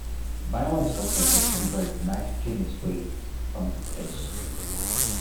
Biological filters convert the nitrogenous wastes from the fish.